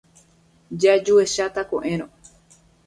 Jajuecháta ko'ẽrõ.